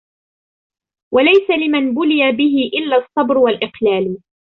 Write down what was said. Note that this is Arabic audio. وَلَيْسَ لِمَنْ بُلِيَ بِهِ إلَّا الصَّبْرُ وَالْإِقْلَالُ